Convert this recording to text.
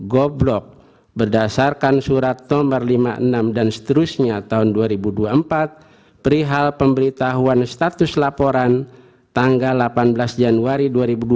goblok berdasarkan surat nomor lima puluh enam dan seterusnya tahun dua ribu dua puluh empat perihal pemberitahuan status laporan tanggal delapan belas januari dua ribu dua puluh